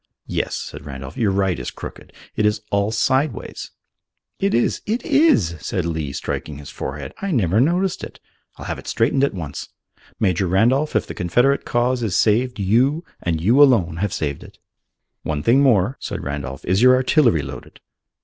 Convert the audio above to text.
"Yes," said Randolph, "your right is crooked. It is all sideways." "It is. It is!" said Lee, striking his forehead. "I never noticed it. I'll have it straightened at once. Major Randolph, if the Confederate cause is saved, you, and you alone, have saved it." "One thing more," said Randolph. "Is your artillery loaded?"